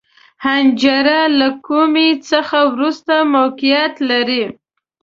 حنجره له کومي څخه وروسته موقعیت لري.